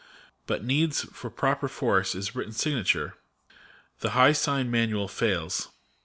But needs, for proper force, his written signature : The high sign manual fails.